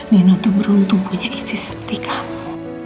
mino tuh beruntung punya istri seperti kamu